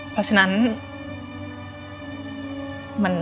เพราะฉะนั้น